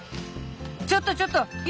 ちょっとちょっと幸